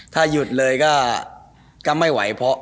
ถ้ายดเลยก็ไม่ไหว